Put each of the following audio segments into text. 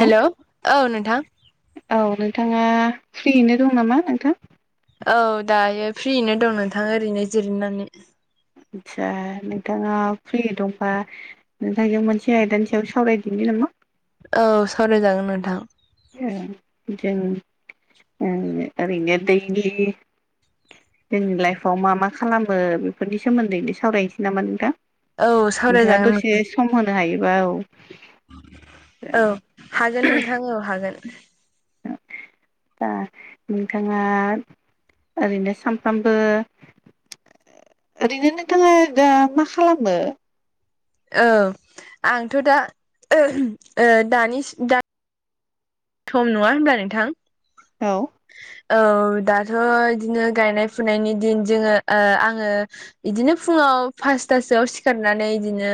Hello औ नोंथां। औ नोंथाङा फ्रियैनो दं नामा नोंथां? औ दायो फ्रियैनो दं नोंथां ओरैनो जिरनानै। आदसा नोंथाङा फ्रि दंबा नोंथां जों मोनसे आयदानि सायाव सावरायदिनि नामा? औ सावरायजागोन नोंथां। जों जों ओं ओरैनो दैलि। जोंनि लाइफआव मा मा खालामो बेफोरनि सोमोन्दैनो सावरायनोसै नामा नोंथां। औ नोंथाङा सावरायजागोन दसे नोंथां सम होनो हायोबा औ। औ हागोन नोंथां औ हागोन। दा नोंथाङा ओरैनो सानफ्रामबो। ओरैनो नोंथाङा दा मा खालामो? ओ आंथ' दा [unintelligible] ओ दानि दा। सम नङा होनब्ला नोंथां। औ। औ दाथ' इदिनो गायनाय फुनायनि दिन जोङो ओ आङो इदिनो फुङाव फासतासोआव सिखारनानै इदिनो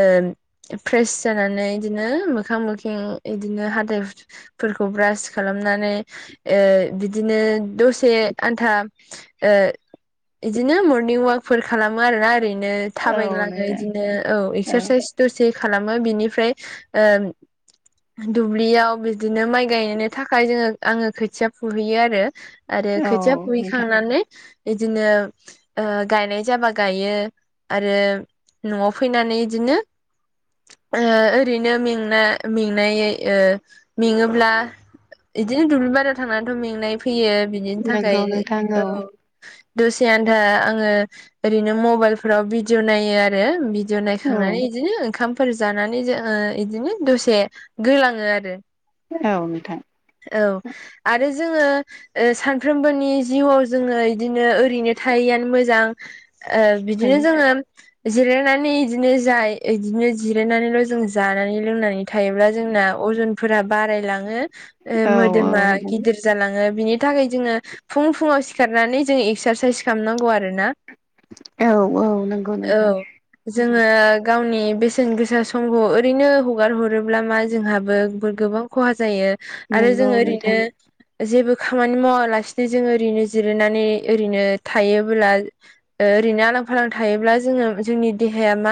ओ फ्रेस जानानै इदिनो मोखां मोखिं इदिनो हाथाय हु फोरखौ ब्रास खालामनानै ओ बिदिनो दसे आन्था। ओ। इदिनो मरनिं अवाकफोर खालामो आरोना ओरैनो औ थाबायग्लाङो नोंथां इदिनो औ एक्सारसाइस दसे खालामो बिनिफ्राय ओ दुब्लियाव इदिनो माइ गायनो थाखाय जोङो आङो खोथिया फुहैयो आरो। आरो औ खोथिया नोंथां फुहैखांनानै इदिनो ओ गायनाय जाबा गायो आरो न'आव फैनानै इदिनो ओ ओरैनो मेंना मेंनायै ओ। मेङोब्ला इदिनो दुब्लि बारियाव थांनानैथ' मेंनाय फैयो। बिनिनि नंगौ थाखाय नोंथां औ। दसे आन्था आङो ओरैनो मबाइल फोराव भिदिअ नायो आरो भि भिदिअ औ नायखांनानै इदिनो ओंखामफोर जानानै जोङो इदिनो दसे गोलाङो आरो। औ नोंथां। औ आरो जोङो ओ सानफ्रोमबोनि जिउआव जोङो इदिनो ओरैनो थायैआानो मोजां। ओ बिदिनो जोङो। जिरायनानै इदिनो जाय इदिनो जिरायनानैल' जों जानानै लोंनानै थायोब्ला जोंना अजन फोरा बारायलाङो ओ औ मोदोमा औ गिदिर जालाङो बिनि थाखाय जोङो फुं-फुङाव सिखारनानै जोङो एक्सारसाइस खालामनांगौ आरो ना। औ-औ नंगौ नोंथां। औ जोङो गावनि बेसेन गोसा समखौ ओरैनो हगार हरोब्ला मा जोंहाबो बो गोबां खहा जायो आरो नंगौ जोङो नोंथां ओरैनो जेबो खामानि मावालासिनो जोंङो ओरैनो जिरायनानै ओरैनो थायोबोला ओ ओरैनो आलां फालां थायोब्ला जोङो जोंनि देहाया मा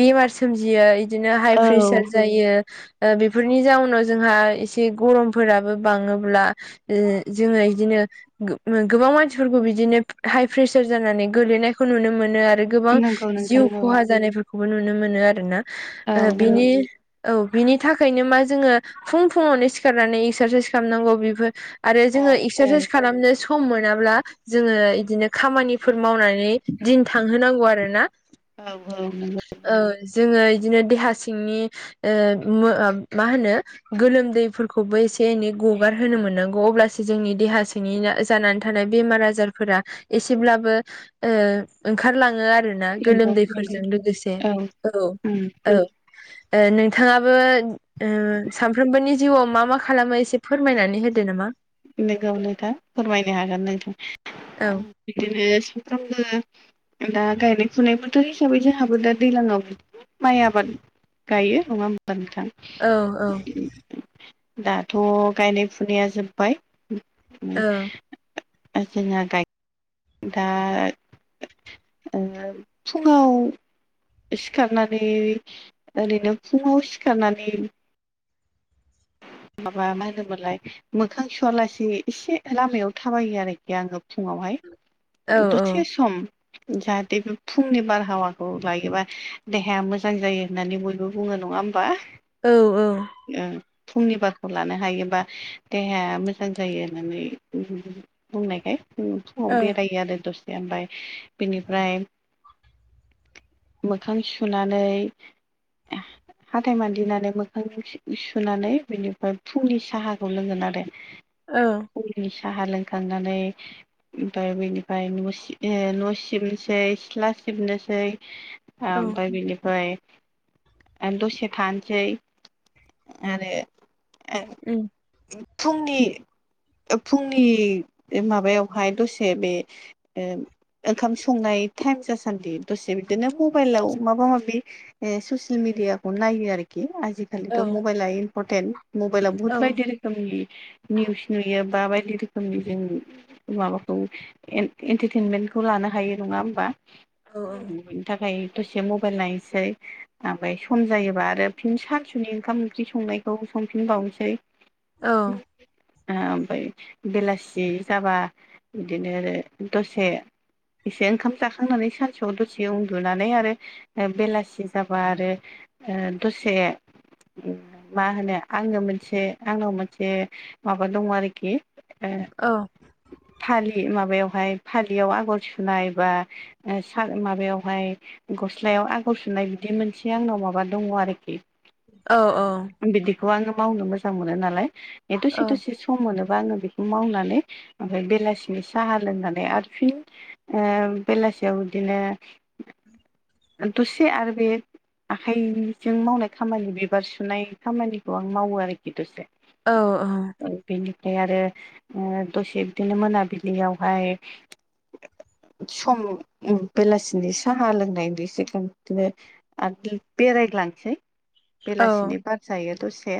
बेमार सोमजि यै बिदिनो हाय औ फ्रेसार जायो ओ बेफोरनि जाउन उनाव जोंहा एसे गरमफोराबो बाङोब्ला ओ जोङो इदिनो गो-गोबां मानसिफोरखौ बिदिनो हाइ प्रेसार जानानै गोलैनायखौ नुनो मोनो आरो। गोबां नंगौ जिउ नोंथां औ खहा जानायफोरखौबो नुनो मोनो आरो ना। औ नंगौ बिनि औ बिनि थाखायनो मा जोङो फुं-फुङावनो सिखारनानै एक्सारसाइस खालामनांगौ बेफोर आरो औ जोङो औ एक्सारसाइस खालामनो सम मोनाब्ला जोङो इदिनो खामानिफोर मावनानै दिन थांहोनांगौ आरो ना। औ-औ नोंग ओ जोङो इदिनो देहा सिंनि ओ म-मा होनो। गोलोमदैफोरखौबो एसे एनै गगार होनोनो मोननांगौ अब्लासो जोंनि देहासिनिया जानानै थानाय बेमार आजारफोरा एसेब्लाबो ओ ओंखारलाङो आरो। ना नंगौ नंगौ गोलोमदैफोरजों लोगोसे। औ औ-औ। ओ नोंथाङाबो उम सानफ्रोमबोनि जिउआव मा-मा खालामो एसे फोरमायनानै होदो नामा। नंगौ नोथां फोरमायनो हागोन औ नोंथां। बिदिनो सामफ्रामबो दा गायनाय फुनाय बोथोर हिसाबै जोंहाबो दा दैलांआव माइ आबाद गायो नङा होमबा नोंथां। औ-औ। [inaudible] दाथ' गायनाय फुनाया जोबबाय। ओ [unintelligible] गाय दा ओ फुङाव सिखारनानै ओरैनो फुङाव सिखारनानै माबा मा होनोमोनलाय मोखां सुवालासे एसे लामायाव थाबायो आरोखि आङो फुङावहाय। औ दसे सम' जाहाथे बे फुंनि बारहावाखौ लायोबा देहाया मोजां जायो होननानै बयबो बुङो नङा होमबा। औ ओ फुंनिबारखौ लानो हायोबा देहाया मोजां जायो होननानै बुंनायखाय फुं औ समाव बेरायो आरो दसे ओमफ्राय बिनिफ्राय मोखां सुनानै हाथथाय मानदिनानै मोखां सुानै बेनिफ्राय फुंनि साहाखौ लोंगोन आरो। ओ। फुंनि साहा लोंखांनानै ओमफ्राय बेनिफ्राय न' न' सिबनोसै सिथ्ला सिबनोसै औ ओमफ्राय बिनिफ्राय आ दसे थानोसै। आरोे ओं उम्म। फुंनि फुंनि माबायावहाय दसे बे ओ ओंखाम संनाय टाइम जासान्दि दसे बिदिनो मबाइलाव माबा माबि ए ससियेल मिडियाखौ नायो आरोखि आजिखालि औ मबाइला इमपरटेट मबाइला बुहु औ बदि रो- - खोमनि निउस नुयो बा बायदि रोखोमनि जों माबाखौ एन एन्टेटेनमेन्टखौ लानो हायो नंङा होमबा औ औ बिनि थाखाय दसे मबेइल नायसै ओमफाय सम जायोबा आरो फिन सास फुंनि ओंखाम ओंख्रि संनायखौ संफिनबावनोसै औ ओ ओमफाय बेलासि जाबा बिदिनो आरो दसे एसे ओंखाम जाखांनानै सानसेआव दसे उन्दुनानै आरो ओ बेलासि जाबा आरो ओ दसे मा होनो आंङो मोनसे आंनाव मोनसे माबा दंङ आरोखि ओ औ थालि माबायावहाय फालियाव आगर सुनाय बा ओ सान माबायावहाय गस्लायाव आगर सुनाय बिदि मोनसे आंनाव माबा दंङ आरोखि औ औ बिदिखौ आंङो मावनो मोजां मोनो नालाय ए औ दसे दसे सम सम मोनोबा आंङो बेखौ मावनानै ओमफाय बेलासिनि साहा लोंनानै आरो फिन ओ बेलासियाव इदिनो दसे आरो बे आखाइजों मावनाय खामानि बे बार सुनाय खामानिखौ आं मावो आरोखि दसे औ औ ओ बेनिफ्राय आरो ओ दसे बिदिनो मोनाबिलियावहाय सम बेलासिनि साहा लोंनाय बेसेखोनो आदो बेरायग्लांसै औ बेलासिनि बार जायो दसे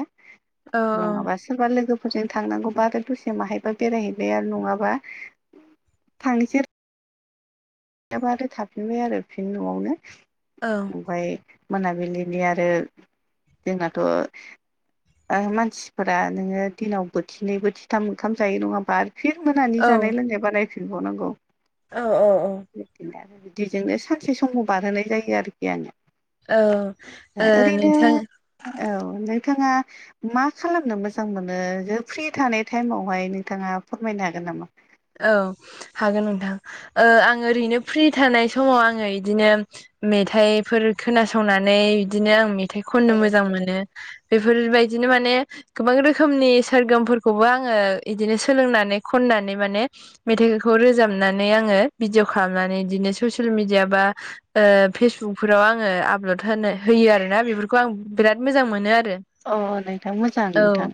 औ नंङा बास सोरबा लोगोफोरजों थांनांगौबा आरो दसे माहायबा बेरायहैबाय आरो नंङाबा थांनोसैआरो एबा आरो थाफिनबाय आरो फिन न'आवनो। औ। ओमफाय मोनाबिलिनि आरो जोंनाथ' ओ मानसिफोरा नोंङो दिनाव बोथिनै बोथिथाम ओंथाम जायो नंङा बा? फिन मोनानि जानाय लोंनाय बानायफिनबावनांगौ। औ अ अ। बिदिनो बिदिजोंनो सानसे समखौ बारहोनाय जायो आरोखि आंङो। औ ओ नोंथां औ नोंथांङा मा खालामनो मोजां मोनो ओ फ्रि थानाय टाइमावहाय नोंथांङा फोरमायनो हागोन नामा? औ हागोन नोंथां ओ आं ओरैनो फ्रि थानाय समाव आंङो इदिनो मेथाइफोर खोनासंनानै बिदिनो आं मेथाइ खननो औ मोजां मोन। बेफोरबायदिनो माने गोबां रोखोमनि सोरगोमफोरखौबो आंङो इदिनो सोलोंनानै खननानै माने मेथाइखौ रोजाबनानै आंङो भिडिअ खालामनानै इदिनो ससियेल मिडिया बा ओ फेसबुकफोराव आंङो आपलड होनो होयो आरो ना बेफोरखौ आं बेराद मोजां मोनो आरो। अ नोंथां मोजां औ नोंथां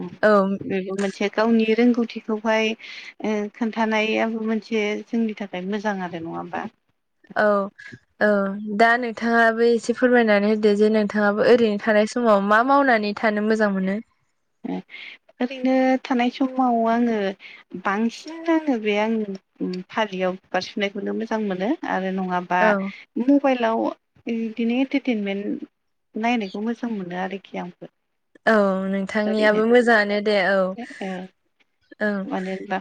उम औ बेबो मोनसे गावनि रोंगौथिखौहाय ओ खोन्थानायाबो मोनसे जोंनि थाखाय मोजां आरो नङा होनबा? औ औ दा नोंथाङाबो एसे फोरमायनानै होदो जे नोंथाङाबो ओरैनो थानाय स समाव मा मावनानै थानो मोजां मोनो ओ ओरैनो थानाय समाव आङो बांसिन आङो बे आंनि फालियाव बिबार सुनायखौनो मोजां मोनो आरो नङाब्ला औ बा मबाइलाव बिदिनो एन्टारटेनमेन्ट नायनायखौ मोजां मोनो आरोखि आंबो औ ओरैनो नोंथांनियाबो मोजाङानो दे औ औ। बा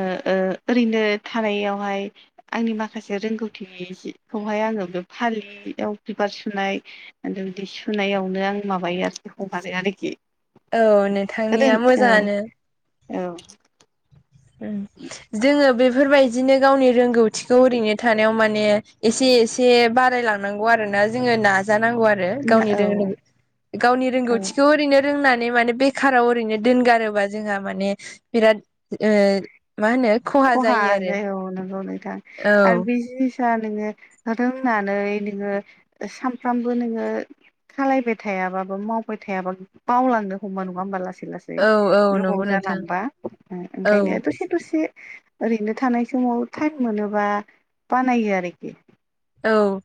ओ ओ ओरैनो थानायावहाय आंनि माखासे रोंगौथिनि जि खौहाय आङो बे फालियाव बिबार सुनाय ओमफ्राय बि सुनायावनो आं माबायो आरोखि हगारो आरोखि। औ नो [unintelligible] औ औ। उम जोङो बेफोर बाय बिदिनो गावनि रोंगौथिखौ ओरैनो थानायाव माने एसे एसे बारायला नंगौ आरोना जोङो नाजा नांगौ आरो ना गावनि औ रों गावनि औ रोंगौथिखौ ओरैनो रोंनानै माने बेखाराव ओरैनो दोनगारोबा जोंहा माने बिराद ओ मा होनो खहा जायो औ नंगौ नोंथां औ आरो बे जिनिस [unintelligible] नोङो रोंनानै नोङो सानफ्रामबो नोङो सालायबाय थायाबाबो मावबाय थायाबो बावलांनो हमो नङा होमबा लासै लासै। औ औ नंगौ गोबाव नोंथां जालांबा औ ओंखायनो दसे दसे ओरैनो थानाय समाव टाइम मोनोबा बानायो आरोखि। औ।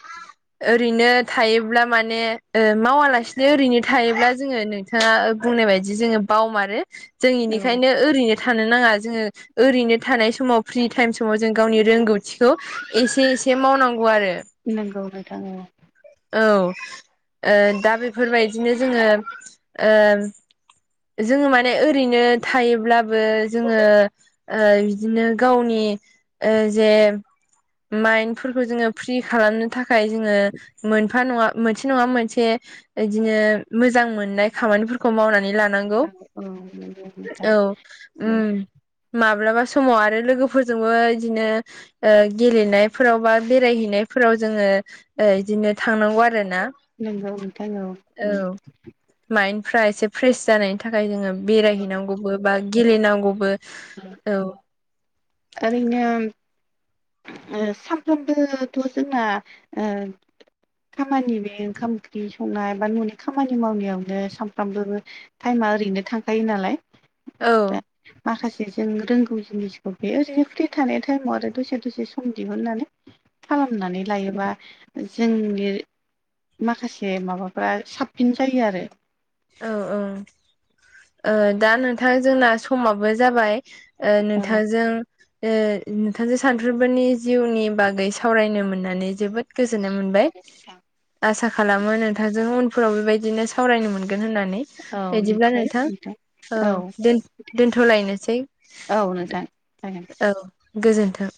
[inaudible] ओरैनो थायोब्ला माने ओ मावालासिनो ओरैनो थायोब्ला जोङो नों नोंथाङा बुंनाय बायदि जोङो बावमारो जों औ इनिखायनो ओरैनो थानो नाङा जोङो ओरैनो थानाय समाव फ्रि टाइम समाव जों गावनि रोंगौथिखौ एसे ए से मावनांगौ आरो। नोंगौ नोंथां औ। औ ओ दा बेफोर बायदिनो जोङो ओ जोङो माने ओरैनो थायोब्लाबो जोङो ओ बिदिनो गावनि ओ जे माइन फोरफोरखौ जोङो फ्रि खालामनो थाखाय जोङो मोनफा नंङा मोनसे नङा मोनसे इदिनो जां मोननाय खामानिफोरखौ मावनानै लानां औ औ नंगौ नोंथां उम माब्लाबा समाव आरो लोगोफोरजोंबो इदिनो ओ गेलेनायफोराव बा बेरायहैनायफोराव जोङो ओ दिनो थांनांगौ आरोना नोंगौ नोंथां औ उम माइन्दफ्रा एसे फ्रेस जानायनि थाखाय जोङो औ बेरायहैनांगौबो बा गेलेनांगौबो औ आरैनो ओ सानफ्रोमबोथ' जोंना ओ खामानि बे ओंखाम ओंख्रि संनाय बा न'नि खामानि मावनायावनो सानफ्रामबो टाइमा ओरैनो थांखायो नालाय दा औ माखासे जों रोंगौ जिनिसखौ बे ओरैनो फ्रि थानाय टाइमाव आरो दसे दसे सम दिहुननानै खालामनानै लायोबा जोंनि माखासे माबाफ्रा साबसिन जायो आरो। औ औ ओ दा नोंथां जोंना समाबो जाबाय ओ औ नोंथांजों ओ नोंथांजों सानफ्रोमबोनि जिउनि बागै सावरायनो मोननानै जोबोद गोजोननाय मोनबाय। दे नोंथां आसा खालामो नोंथांजों उनफोराव बेबायदिनो सावरायनो मोनगोन होनना नै औ बेदिब्ला निस्सय नोंथां औ दोन-दोनथ'लायनोसै औ नोंथां जागोन औ। गोजोन्थों।